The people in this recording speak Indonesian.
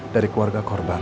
dari keluarga korban